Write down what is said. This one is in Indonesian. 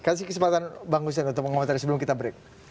kasih kesempatan bang hussein untuk mengomentari sebelum kita break